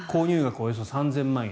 およそ３０００万円